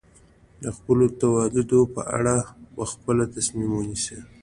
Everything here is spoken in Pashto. د خپلو تولیداتو په اړه په خپله تصمیم ونیسي.